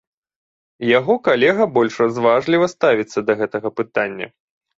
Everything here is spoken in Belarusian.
Яго калега больш разважліва ставіцца да гэтага пытання.